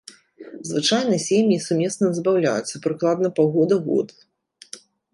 Звычайна сем'і сумесна забаўляюцца прыкладна паўгода-год.